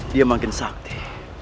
dia makin sakti